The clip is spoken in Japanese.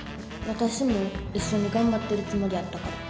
私も一緒に頑張ってるつもりやったから。